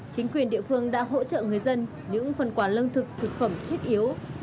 chính quyền địa phương đã hỗ trợ người dân những phần quả lương thực thực phẩm thiết yếu